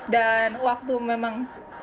dan waktu memang